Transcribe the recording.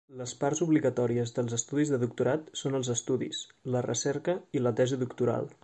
Les parts obligatòries dels estudis de doctorat són els estudis, la recerca i la tesi doctoral.